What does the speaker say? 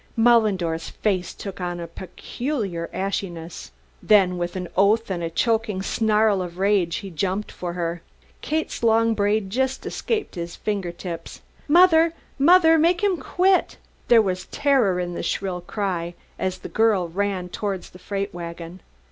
Mullendore's face took on a peculiar ashiness. Then with an oath and a choking snarl of rage he jumped for her. Kate's long braid just escaped his finger tips. "Mother! Mother! Make him quit!" There was terror in the shrill cry as the girl ran towards the freight wagon.